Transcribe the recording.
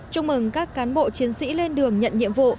chúc mừng các cán bộ chiến sĩ lên đường nhận nhiệm vụ